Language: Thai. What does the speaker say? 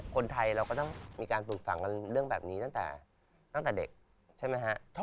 คนไทยเราก็ต้องมีการปลูกฝังกันเรื่องแบบนี้ตั้งแต่เด็กใช่ไหมฮะ